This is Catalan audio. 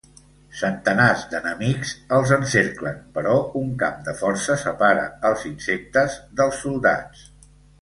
Centenars d'enemics els encerclen, però un camp de força separa els insectes dels soldats.